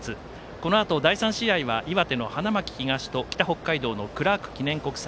このあと第３試合は岩手の花巻東と北北海道のクラーク記念国際。